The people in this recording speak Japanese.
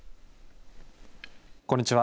こんにちは。